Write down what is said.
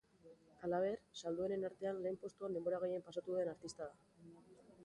Halaber, salduenen artean lehen postuan denbora gehien pasatu duen artista da.